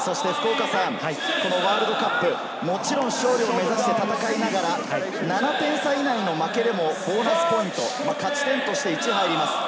ワールドカップ、もちろん勝利を目指して戦いながら、７点差以内の負けでもボーナスポイント勝ち点として１入ります。